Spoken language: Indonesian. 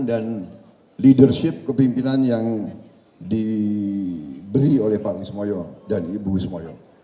dan leadership kepimpinan yang diberi oleh pak kusmoyo dan ibu kusmoyo